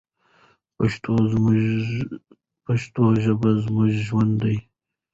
پښتو ژبه زموږ ژوند دی.